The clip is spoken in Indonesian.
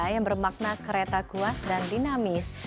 yang bermakna kereta kuat dan dinamis